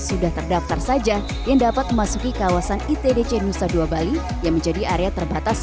sudah terdaftar saja yang dapat memasuki kawasan itdc nusa dua bali yang menjadi area terbatas